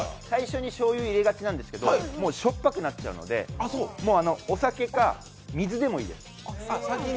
最初にしょうゆ入れがちなんですけどしょっぱくなっちゃうんでお酒か水でもいいです。